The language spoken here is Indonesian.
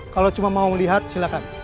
kalau cuma mau lihat silahkan